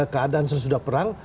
keadaan sesudah perang